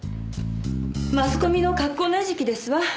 マスコミの格好の餌食ですわ。